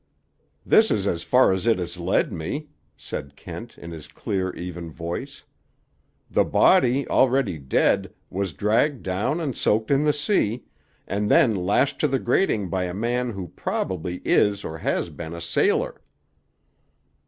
"This is as far as it has led me," said Kent, in his clear even voice. "The body, already dead, was dragged down and soaked in the sea, and then lashed to the grating by a man who probably is or has been a sailor."